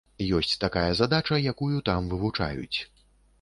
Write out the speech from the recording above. Ёсць такая задача, якую там вывучаюць.